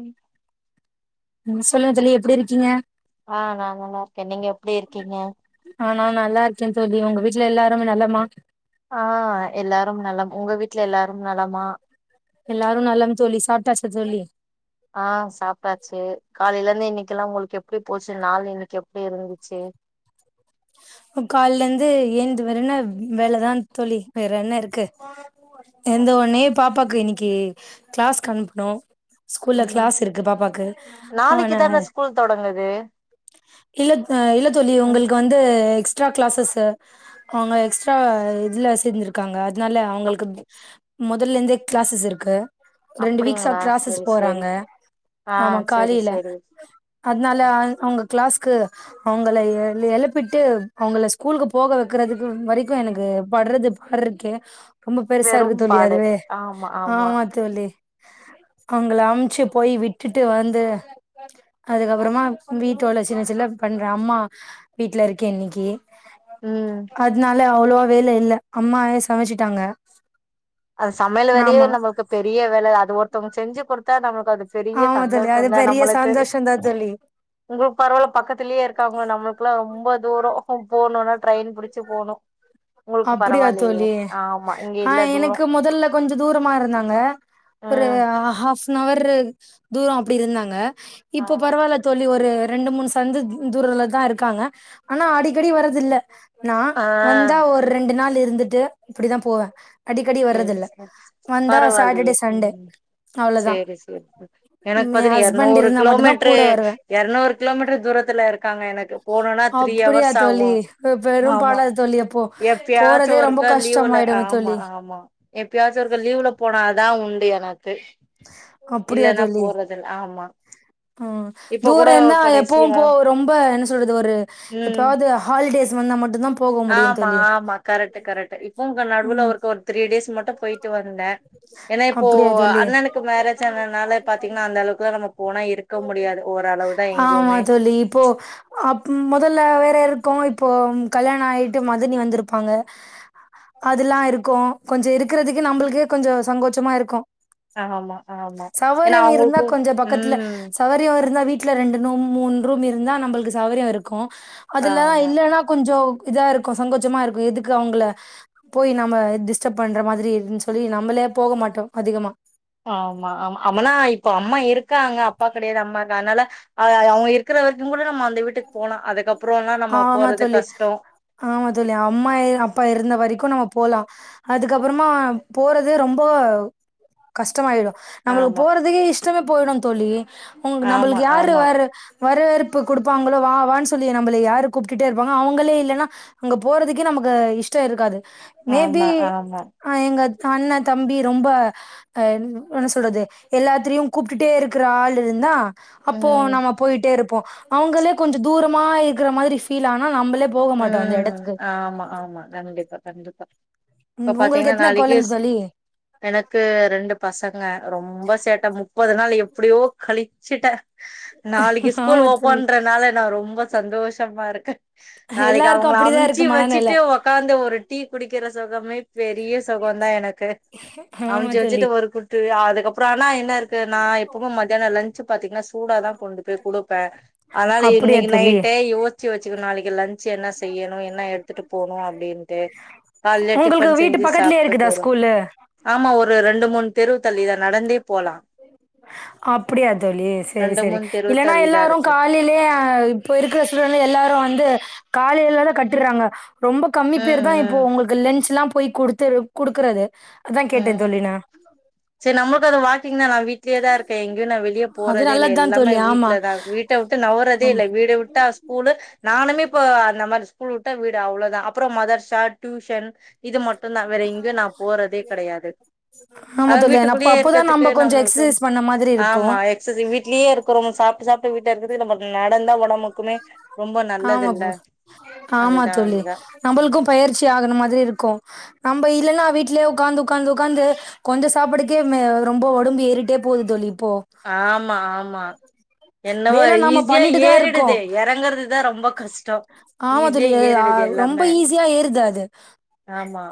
ம் ம் சொல்லுங்க தோழி எப்பிடி இருக்கீங்க ஆ நா நல்லா இருக்கே நீங்க எப்டி இருக்கீங்க ஆ நா நல்லா இருக்கே தோழி உங்க வீட்ல எல்லாரும நலமா ஆ எல்லாரும் நலம் உங்க வீட்ல எல்லாரும் நலமா எல்லாரு நலம் தோழி சாப்ட்டாச்ச தோழி ஆ சாப்ட்டாச்சு காலைலந்து இன்னிக்கெல்லா உங்குளுக்கு எப்டி போச்சு நாள் இன்னிக்கு எப்டி இருந்துச்சு ம் காலந்து ஏந்து வெரன வ் வேலதா தோழி வேறென்ன இருக்கு ஏந்த ஒன்னே பாப் பாக்கு இன்னிக்கி கிளாஸ்கு அனுப்ணோ ஸ்கூல்ல ம் கிளாஸ் இருக்கு பாப்பாக்கு நாளைக்கு அவன தான ஸ்கூல் தொடங்குது இல்லத் ஆ இல்ல தோழி ம் உங்கள்க் வந்து எக்ஸ்டரா க்ளாஸஸ் அவங்க எக்ஸ்ட்ரா இதுல சேந்திருக்காங்க னால அப் அவங்களுக்கு முதல்ல இருந்தே க்ளாஸஸ் இருக்கு ரெண்டு வீக்ஸா அப்டிங்களா க்ளாஸஸ் செரி செரி போறாங்க ஆ ஆமா செரி காலையில செரி அதனால அ அவங்க க்ளாஸ்க்கு அவங்கள எ எழுப்பிட்டு அவங்கள ஸ்கூலுக்கு போக வைக்கறதுக்கு வரைக்கு எனக்கு பட்றது பாடுருக்கே ரொம்ப பெருசா இருக்கு வெறும் தோழி பாடு அதுவே ஆமா ஆமா தோழி அவங்கள அம்ச்சு போய் விட்டுட்டு வந்து அதுக்கப்புறமா வீட்டு வேல சின்ன சின்ன பண்றே அம்மா வீட்ல இருக்கே இன்னிக் கி ம் அதுனால அவ்வளவா வேல இல்ல அம்மாவே சமச்சிட்டாங்க அது சமையல் வரையு நம்மளுக்கு பெரிய வேல அது ஒ த்தவங்க செஞ்சு கொடுத்தா நமக் அது பெரிய ஆமா தோழி அது சந்தோஷம் தா பெரிய நம்மளுக்கு சந்தோஷந்தா தோழி உங்களுக்கு பரவால பக்கத்திலயே இருக்காங்க நம்மளுக்குல்லா ரொம்ப தூரம் போணுனா ட்ரெயின் புடிச்சு போணும் உங்களுக்கு அப்படியா பரவால்லயே தோழி ஆ ஆமா இங்க ஆ இல்ல தூரம் எனக்கு முதல்ல கொஞ்சம் தூரமா இருந்தாங்க ஒரு ம் ஹாஃப் அன் ஹவர்ரு தூரம் அப்படி இருந்தாங்க ஆ இப்போ பரவால்ல தோழி ஒரு ரெண்டு மூணு சந்து தூரலதா இருக்காங்க ஆனா அடிக்கடி வரது இல்ல நா ஆ வந்தா ஒ ரெண்டு நாள் இருந்துட்டு இப்படிதா போவே அடிக்கடி சேரி வர்றதில்ல சரி வந்தா பரவால்லயே சாட்டர்டே சண்டே அவ்ளோதா சேரி சேரி எனக்கு எ பாத்தீன்னா ஹஸ்பண்ட் எரநூறு இருந்தா மட்டுந்தா கிலோமீட்டரு கூட வருவே எரநூறு கிலோமீட்டரு தூரத்துல இருக் க்காங்க எனக்கு போணுன்னா த்ரீ அப்படியா ஹவர்ஸ் தோழி ஆகு பெரும் ஆமா பாடா இருக்கு தோழி அப்போ எப்பயாச்சு போறதே ரொம்ப ஒருக்கா லீவுல கஷ்டமாயிடுமே ஆமா தோழி ஆமா எப்பயாச்சு ஒருக்க லீவ்ல போனா தா உண்டு எனக் அப்படியா தோழி போறதில்ல ஆமா ஆ இப்ப கூட தூரம் இருந்தா எப்பவும் கடைசியா போ ரொம்ப என்ன சொல்றது ஒரு ம் எப்பாவது ஹாலிடேஸ் வந்தா மட்டும்தா ஆமா ஆமா கரெக்ட் கரெக்ட் இப்போ ப்ப நடுல ம் ஒருக்க ஒரு த்ரீ டே ஸ் மட்டும் போயிட்டு வந்தே ஏன்னா இப்போ அப்டியா தோழி அண்ணனுக்கு மேரேஜ் ஆனனால பாத்தீங்கன்னா அந்த அளவுக்குலா நம்ம போனா இருக் ஆமா தோழி இப்போ அப் மொதல்ல வேற இருக்க இப்போ கல்யாண ஆய்ட்டு மதனி வந்திருப்பாங்க அதல்லா இருக்கு கொஞ்ச இருக்கிறதுக்கு நம்மளுக்கே கொஞ்ச சங்கோச்சமா இருக்கு ஆ ஆமா ஆமா ஏன்னா சௌகரியம் இருந்தா அவங்களுக்கு கொஞ்சோ பக்கத்துல ம் சௌகரியம் இருந்தா வீட்டுல ரெண்டு நும் மூண் ரூம் இருந்தா நம்மளுக்கு சவ்ரிய இருக்கு அதுலலா ஆமா இல்லன்னா கொஞ்சோ இதாருக்கு சங்கோச்சமா இருக்கு எதுக்கு அவங்கள போய் நம்ம டிஸ்டர்ப் பண்ற மாரி இருன்னு சொல்லி நம்மளே போக மாட்டோ அதிகமா ஆமா ஆமா அமனா இப்ப அம்மா இருக்காங்க அப்பா கெடையாது அம்மாக்க அதனால அவ அவங்க இருக்கிற வரைக்கு கூட நம்ம வீட்டுக்கு போலா அதுக்கப்புறம்லா நம்ம ஆமா போறது தோழி கஷ்டோ ஆமா தோழி அம்மா அப்பா இருந்த வரைக்கு நம்ம போலா அதுக்கப்புறமா போறது ரொம்போ கஷ்டமாயிடு நம்மளுக்கு ஆமா போறதுக்கே இஸ் டமா போயிடு தோழி உங்க ஆமா நம்மளுக்கு யாரு ஆமா வேற வரவேற்பு குடுப் ப்பாங்களோ வா வான்னு சொல்லி நம்மள யாரு கூப்ட்டுட்டே இருப்பாங்க அவங்களே இல்ல ன்னா அங்க போறதுக்கே நமக்கு இஷ்டஇருக்காது மேபி ஆமா ஆமா ஆ எங்க அண்ண தம்பி ரொம்ப அ என்ன சொல்றது எல்லாத்தலயையு கூப்ட்டுட்டே இருக்கிற ஆள் இருந்தா அப்போ ம் நாம போயிட்டேருப்போ அவங்களே கொஞ்ச தூரமா இருக்கிற மாரி ஃபீல் ஆனா நம்மளே போக மாட்டோ அந்த ம் எடத்துக்கு ஆமா ஆமா கண்டிப்பா கண்டிப்பா இப்ப ம் உங்களுக்கு பாத்தீங்கன்னா எத்தன நாளைக்கே கொழந்த ஸ் தோழி எனக்கு ரெண்டு பசங் க ரொம்ப சேட்ட மு முப்பது நாள் எப்டியோ கழிச்சுட்டே நாளைக்கு ஸ்கூல் ஆமா தோழி ஓப்பன்றனாலே நா ரொம்ப சந்தோஷமா இருக்கு நாளைக்கு எல்லாருக்கு அவங்கள அப்டிதா அமுச்சு இருக்கு மனநெல வச்சுட்டு உக்காந்து ஒரு டீ குடிக்கிற சுகமே பெரிய சுகந்தா எனக்கு ஆமா அமுச்சு தோழி வச்சுட்டு ஒரு குட்டி அதுக்கப்புற ஆனா என்ன இருக்கு நா எப்பவுமே மத்தியான லஞ்ச் பாத்தீங்கன்னா சூட தா கொண்டு போய் குடுப்பே அதனால அப்டியா இன்னைக்கு தோழி நைட்டே யோச்சு வச் சுக்கணு நாளைக்கு லன் ச என்ன செய்யணு அவ என்ன எடுத்துட்டு போனு அப்படின்ட காலலே உங்களுக்கு டிபன் வீட்டு செஞ்சு பக்கத்துலயே சாப்ட்டு இருக்குதா போறோ ஸ்கூலு ஆமா ஒரு ரெண்டு மூணு தெருவு தள்ளிதா நடந்தே போலா அப்படியா தோழி சரி ரெண்டு சரி மூணு தெருவு இல்லைன்னா தள்ளிதா எல்லாரு இருக்கு காலையிலயே இப்ப இருக்கிற சூழல்ல எல்லாரு வந்து காலல்லதா கட்டுறாங்க ரொம்ப கம்மி பேரு தா இப்போ ம் ஒங்களுக்கு லென்சலா போய் குடுத்துரு குடுக்குறது அதா கேட்டே ம் தோழி நா செர் நம்ளுக்கு அது வாக்கீங்ன்னா நா வீ ட்லியே தா இருக்கே எங்க்யு நா வெளிய அது போறதே இல்ல நல்லதுதா எல்லாமே தோழி வீட்லா தா ஆமா வீட்ட விட்டு நவுறதே இல்ல வீட விட்டா ஸ்கூல ந நானுமே இப்ப அந்த மாரி ஸ்கூல் உட்ட வீடு அவ்ளோதா அப்புறோ மதர்ஷா டியூஷன் இது மட் டுந்தா வேற எங்க்யு நா போறதே கெடையாது ஆமா அதா தோழி அப்ப வீட்டுக்குள்ளியே அப்போதா இருக்கற்துக்கு நம்ம கொஞ்சோ நம்ளுக்கு எக்ஸசைஸ் பண்ண மாதிரி ச்ச் இருக்கு ஆமா எக்சஸிங் வீட்லியே இருக்குறோ [unintelligible] சாப்ட்டு சாப் ட்டு வீட்ல இருக்கற்து நம்ம நடந்தா ஒடம்புக்குமே ஆமாப்ப ஆமா அதுதான் தோழி அதுதான் நம்பளுக்கு பயிற்சி ஆகன மாதிரி இருக்கு நம் இப்ப இல்லன்னா வீட்லே உக்காந்து உக்காந்து உக்காந்து கொஞ்சோ சாப்படுக்கே ம் அ ரொம்போ ஒடம்பு ஏறிட்டே போது தோழி இப்போ ஆமா ஆமா. என்னவோ வேல நாம ஈஸியா பண்ணிட்டுதா இருக்கோ ஏறிடுது எறங்கற்துதா ரொம்போ கஸ்டோ ஆமா ஈஸியா தோழி ஆ ஏறிடுது ரொம்ப எல்லாமே ஈஸியா ஏறுது ஆமா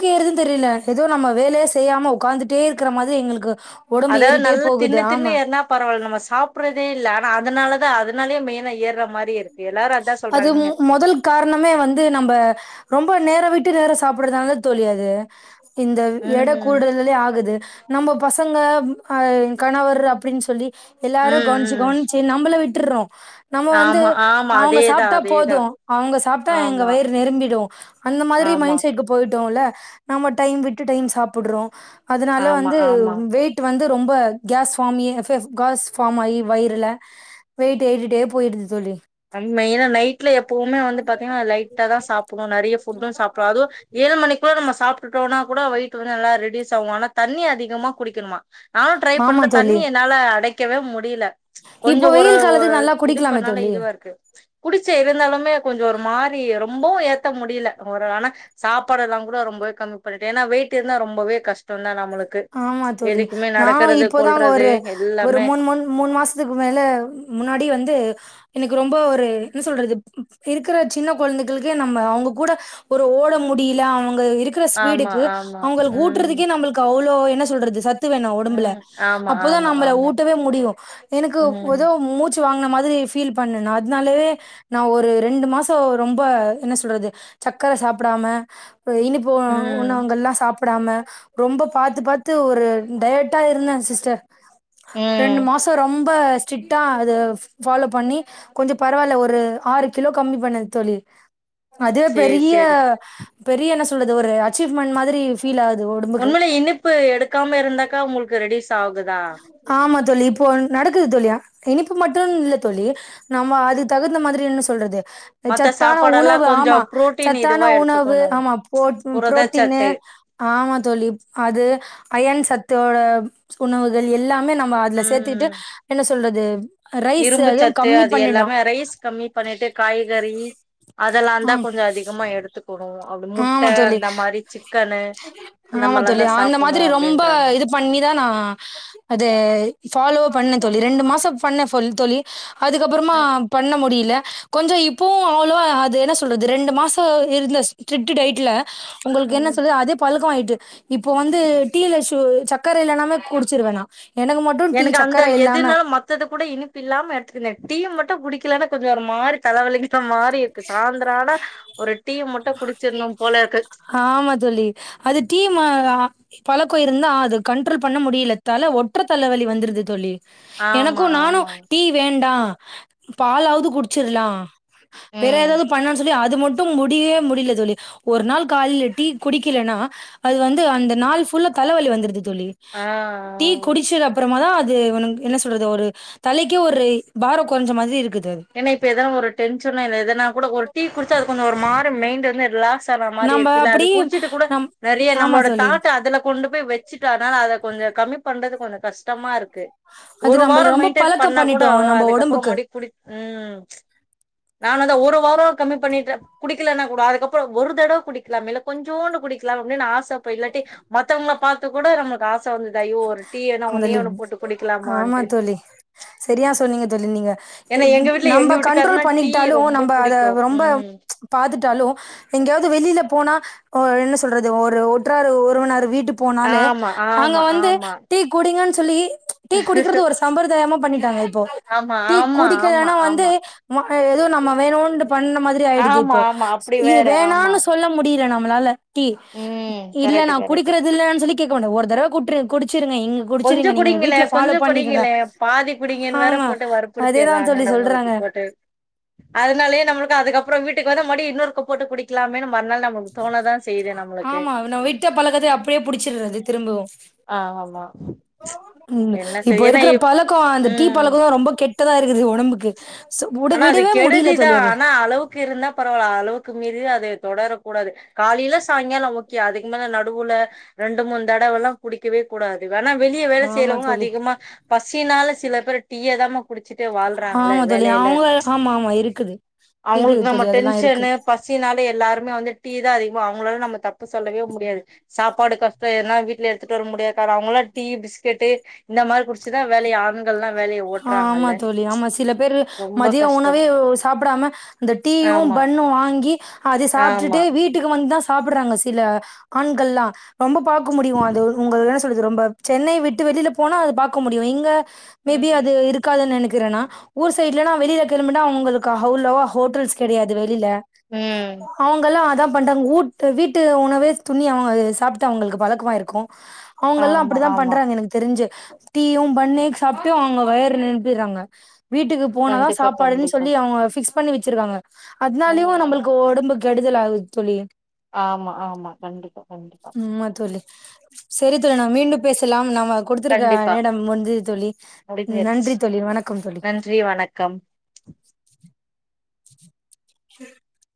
கு ஏறுதுன் தெரில எதோ நம்ம வேலய செய்யாம உக்காந்துட்டே இருக்கிற மாத்ரி எங்களுக்கு ஒடம்பு அதாவ் ஏறிட்டே நல்லா போகுது தின்னு ஆமா தின்னு ஏற்னா பரவால்ல நம்ம சாப்றதே இல்ல ஆனா அதனால தா அத னாலே மெயினா ஏற மாரி இருக் அது மு மொதல் காரணமே வந்து நம்ப ரொம்ப நேர விட் டு வேற சாப்புறதுனால தோழி அது இந்த எட ம் கூடுல்லலே ஆகுது நம்ம பசங்க அ கணவர் அப்டின் சொல்லி எல்லாரயு ம் கவ்ன்ச்சி ம் கவ்ன்ச்சி நம்மள விட் டிடுறோ ஆமா ஆமா அதே சாப்ட்டா போது அவுங்க சாப்ட்டா எங்க வயிறு நெரம்பிடூ அந்த மாரி ஆமா மைண் செட்க்கு போய்டோல்ல நம்ம டைம் விட்டு டைம் சாப்புடுறோ அதனால ஆமா வந்து ஆமா வெய்ட்டு வந்து ரொம்ப கேஸ் ஃபாமி எ ஃப் ஃப் காஸ் ஃபாம் ஆயி வயிறுல வெய்ட்டு ஏறிட்டே போய்டுது தோழி மெய்னா நைட்ல எப்போமே வந்து பாத்தீங்னா லைட்டா தா சாப்புவோ நெறைய ஃபுட்டூ சாப்ல அதுவு ஏழு மணிக்குள்ள நம்ம சாப் ட்டுட்டோனா கூட வெய்ட்டு வந்து நல்லா ரெடியூஸ் ஆகு ஆனா தண்ணி அதிகமா குடிக்கணுமா நானு ட்ரை ஆமா பண்றே தோழி தண்ணி என்னால அடைக் க்கவே முடில இப்போ வெயில் காலத்துக் நல்லா குடிக்கிலாமே பண்ணாலே தோழி இதுவா இருக்கு குடிச்சே இருந்தாலுமே கொஞ்சோ ஒரு மாரி ரொம்பவு ஏத்த முடில ஒரு ஆனா சாப்பாடெல்லா கூட ரொம்பவே கம்மி பண்ணிட்டே ஏன்னா வெயிட் இருந்தா ரொம்பவே கஷ் ஆமா தோழி நானு நடக்கறது இப்போ தா கொல்றது ஒரு ஒரு எல்லாமே மூண் மூண் மூணு மாசத்துக்கு மேல முன்னாடி வந்து எனக்கு ரொம்ப ஒ ரு என்ன சொல்றது இருக்குற சின்ன கொழந்தைகளுக்கே நம்ம அவுங்க கூட ஒரு ஓட முடியல அவுங்க இருக்குற ஆமா ஸ்பீடுக்கு ஆமா அவுங்களுக்கு ம் ஊட்றதுக்கே நம்மளுக் அவ்ளோ என்ன சொல்றது ச த்து வேணு ஒடம்புல ம் ஆமா அப்போதா ஆமா நம்மள ஆமா ஊட்டவே முடியு எனக்கு ஒதோ ம் மூச்சு ச்சு வாங்குன மாரி ஃபீல் பண்ணே நா அதனாலே நா ஒரு ரெண்டு மாசோ ரொம்ப என்ன சொல்றது சக்கர சாப்டாம இனிப்பு ம் உணவுங்கள்லா சா ப்டாம ரொம்ப பாத்து பாத்து ஒரு டயட்டா இருந்தே சிஸ்டர் ரெண்டு ம் மாசோ ரொம் ப ஸ்ட்ரிக்ட்டா அது ஃபாலோ பண்ணி கொஞ்சோ பரவால்ல ஒரு ஆறு கிலோ கம்மி பண்ணே தோழி அது சேரி பெரிய சேரி பெரிய என்ன சொல்றது ஒரு அச்சீவ்மெண்ட் மாதிரி ஃபீல் ஆகுது ஒடம்புக்கு உண்மைல இனிப்பு எடுக்காம இருந்தாக்கா உங்களுக்கு ரெடியூஸ் ஆகுதா ஆமா தோழி இப்போ நடக்குது தோழியா இனிப்பு மட்டூனு இல்ல தோழி நம்ம அது தகுந்த மாரி என்ன சொல்றது மத்த சத்தான சாப்பாடெல்லா உணவு கொஞ்சோ ஆமா புரோட்டீன் இதுவா சத்தான உணவு எடுத்துக்கணு ஆமா போ ப்ரோட்டீனு புரதச்சத்து ஆமா தோழி அது அயன் சத்தோட உணவுகள் எல்லா மே அதுல சேர்த்திட்டு ம் என்ன சொல்றது ரைஸ் இரும்பு அதுவும் சத்து கம்மி அது பண்ணிட்டோம் எல்லாமே ரைஸ் கம்மி பண்ணிட்டு காய் கறி அதெல்லா ஆ தா கொஞ்சோ அதிகமா எடுத்துக்குணு அப்டி ஆமா முட்ட தோழி அந்த மாரி சிக்கனு அந்த ஆமா மாரிலா தோழி தா சாப்பணு அப்டின்றாங்க அத ஃபாலோ பண்னே தோழி ரெண்டு மாச பண்னே ஃபல் தோழி அதுக்கப்புறமா ம் பண்ண முடி ல கொஞ்ச இப்பவு அவ்ளோ அது என்ன சொல்றது ரெண்டு மாச இருந்த ஸ்ட்ரிக்ட்டு டயட்டுல உங்களுக்கு என்ன ம் சொல்ரது அதே பழக்க ஆய் டு இப்போ வந்து டீல சு சர்க்கர இல்லனாமே குடிச்சிருவே நா எனக்கு மட்டும் டீ எனக்கு அந்த சக்கர இல்லாம எதுனாலு மத்தது கூட இனிப்பு இல்லாம எடுத்துக்கிடுவே டீ மட்டு குடீக்கலனா கொஞ்ச ஒரு மாறி தல வலிக் க்க மாறிருக்கு சாய்ந்ரோ ஆனா ஒரு டீ மட்டு குடிச்சிரனு போல இருக்கு ஆமா தோழி அது டீம் அ பழக்கோ இருந்தா அது கண்ட்ரோல் பண்ண முடியல தல ஒற்ற தலவலி வந்துருது தோலி ஆமா எனக்கு நானு ஆமா டீ வேண்டா பாலாவது குடிச்சிரலா வேற ம் ஏதாவது பண்ணலான் சொல்லி அது மட் முடியேமுடில்ல தோழி ஒரு நாள் கால்ல டீ குடிக்கலனா அது வந்து அந்த நாள் ஃபுல்லா தலவலி வந்துடுது தோழி ஆ டீ ஆ குடிச்சது அப்பறமா தா அது என்ன சொல்றது ஒரு தலைக்கே ஒரு பாரம் கொறஞ்ச மாதிரி இருக்குது அது. ஏன்னா இப்ப ஏதனா ஒரு டென்ஷன இல்ல எதனா கூட ஒரு டீ குடிச்சு அது கொஞ்சம் ஒரு மாரி மைண்ட் வந்து ரிலாக்ஸ் ஆன மாரி நம்ப இருக்குல அது அப்படியே குடிச்சுட்டு கூட நம் நறைய ஆமா நம்மளோட தோழி. தாட் அதுல கொண்டு போய் வச்சிட்டாதா அத கொஞ்ச கம்மி பண்றது கொஞ்ச கஷ்டமா இருக்கு அது ஒரு வாரோ நம்பள ரொம்ப மெயின்டென் பழக்கம் பண்ணா கூட பண்ணிட்டோ நம்ப அதுக்கப்புறோ ஒடம்புக்கு மறுபடி குடி ம் நா அந்த வந்து ஒரு வாரம் கம்மி பண்ணிட்டு குடிக்கலனா கூட அதுக்கப்பறம் ஒரு தடவ குடிக்கலாமே இல்ல கொஞ்சோண்டு குடிக்கலாமே அப்டின்னு ஆச அப்ப இல்லாட்டி மத்தவங்கள பாத்து துகூட நமக்கு ஆச வந்தது ஐயோ ஒரு டீ வேணா ஆமா ஒன்னே தோழி ஒண்ணு போட்டு ஆமா குடிக்கலாமான்ட்டு தோழி சரியா சொன்னீங்க தோழி நீங்க ஏன்னா இப் எங்க வீட்ல நம்ப எங்க வீட்டுக்காருனா கண்ட்ரோல் டீ பண்ணிகிட்டாலு ரொம்ப நம்ப அத புடிக்கு ரொம்ப ம் பாத்துட்டாலு எங்கேயாவது வெளியில போ போனா என்ன சொல்றது ஒரு உற்றார் உறவினர் வீட் டுக் போனாலே ஆமா அங்க ஆமா வந் து ஆமா டீ குடிங்கனு சொல்லி டீ குடிக்கிறது ஒரு சம்பிர்தாயமா பண்ணிட்டாங்க இப்போ ஆமா டீ ஆமா ஆமா குடிக்காலனா வந்து ஆமா அ எதுவு நம்ம வேணுண்ட்டு பண்ண மாதிரி ஆயிடுது ஆமா இப்போ ஆமா அப்டி வேற ஆமா வேணாம்னு சொல்ல முடியல ந நம்மளால டீ ம் இல்ல கரெக்ட் நா கரெக்ட் குடிக்கறது இல்லனு சொல்லி கேட்க மாட்டாங் ஒரு தரவ குடி கொஞ்ச குடிங்களே ஃபாலோ கொஞ்ச பண்ணிக்கங்க குடிங்களே பாதி குடிங்கன்னு வேற ஆமா போட்டு அதேதா வற்ப்புறுத்திட்றாங்க தோழி நம்மள சொல்றாங்க போட்டு அதனாலயே நம்மளுக்கு அதுக்கப்பறம் வீட்டுக்கு வந்து மறுடியு இன்னொருக்க போட்டு குடிக்கலாமேனு ஆமா நா விட்ட பழக்கத்த அப்டியே புடிச்சிட்றது திரும்பவு ஆமா ம் என்ன இப்ப செய்ய ஏன்னா இருக்கிற இப்- பழக்கோ அந்த டீ ம் பழக்கோ ரொம்ப கெட் கெட்டதா இருக்குது ஒடம்புக்கு சோ உட ஆனா அது விடவே முடியல கெடுதிதா தோழி அது ஆனா அளவுக்கு இருந்தா பரவால்ல அளவுக் கு மீறி அது தொடரக்கூடாது காலில சாயங்காலம் ஓகே அதுக்கு மேல நடுவுல ரெண்டு மூணு தடவல்லாம் குடிக்கவே கூடாது யானா வெளிய வேல ஆமா செய்யரவங்க தோழி அதிகமா பச சினால சில பேரு டீயே தாமா குடிச்சுட்டே வாழ்றாங்களே ஆமா தோழி வேலையில அவங்க ஆமா ஆமா இருக்குது இருக்குது அவங்களுக்கு நம்ம தோழி அதெல்லா இருக்கு டென்ஷன்னு பசினால எல்லாருமே டீ தான் அதிக அவங்களால நம்ம தப்பு சொல்லவே முடியாது சாப்பாடு கஷ்டம் யானா வீட்டுல எடுத்துட்டு வர முடியாது அவங்களா டீ பிஸ்கெட்டு இந்த மாதிரி குடிச்சுதா வேலைய ஆரம் ஆமா தோழி ஆமா சில பேரு ரொம்ப மதி ய கஷ்டோ உணவே சாப்டாம இந்த டீயும் ஆமா பண்ணு வாங்கி அது சாப்ட்டுட்டு ஆமா வீட்டுக்கு வந்துதா சா சாப்புறாங்க சில ஆண்கள்லா ரொம்ப பாக்க முடியு அது உங்கள ஸ் சொல்லது ரொம்ப சென்னை விட்டு வெளியில போனா அது பாக்க முடியு இங்க மேபி ம் அது இருக்காதுன் எனக் கிரணா ஊர் சைட்லல்லா வெளில கெளம்பானா அவங்களுக்கு அவ்லவா ஹோட்டல்ஸ் கெடையாது வெளில ம். அவங்கல்லா அதா பட் அவங்க ஊட்டு வீட்டு உணவே துணி அவங்க சாப்ட்டு அவங்களுக்கு பழக்கமாய்ருக்கு அவங்கெல்லா ஆமா, அப்டிதா ஆமா. பண்றாங்க எனக்கு தெரிஞ்சே டீயும் பண்ணே க்ஸ் சாப்ட்டு அவங்க வயிற நெறப்பிறாங்க வீட்டுக்கு போன தா கண்டிப்பா, சாப்பாடுன கண்டிப்பா. சொல்லி அவங்க பிக்ஸ் பண்ணி வச் வச்சிருவாங்க ம், அதனாலயு நம்மளுக்கு ம். ஒடம்புக்கு கெடுதல ஆகுது தோழி ஆமா ஆமா கண்டிப்பா கண்டிப்பா ஆமா தோழி சரி தல நம் மீண்டு பேசலாம் நம் கொடுத்திருக்க கண்டிப்பா. நேடம் முஞ்ச தோழி முடிஞ்சிருச்சு நன்றி தோழி வணக்கம் தோழி நன்றி வணக்கம் இது